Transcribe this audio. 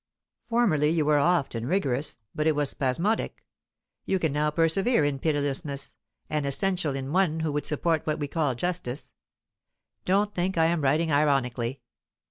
Formerly you were often rigorous, but it was spasmodic. You can now persevere in pitilessness, an essential in one who would support what we call justice. Don't think I am writing ironically.